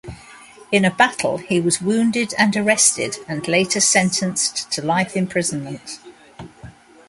In a battle he was wounded and arrested and later sentenced to life imprisonment.